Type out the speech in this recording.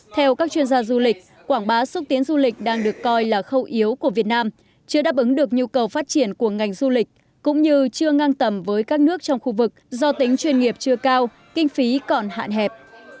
theo các chuyên gia du lịch quảng bá xúc tiến du lịch đang được coi là khâu yếu của việt nam chưa đáp ứng được nhu cầu phát triển của ngành du lịch cũng như chưa ngang tầm với các nước trong khu vực do tính chuyên nghiệp chưa cao kinh phí còn hạn hẹp